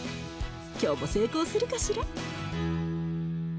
今日も成功するかしら？